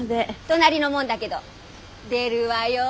隣のもんだけど出るわよ